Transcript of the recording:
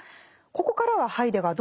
ここからはハイデガー